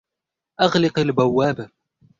أغلق البوابة.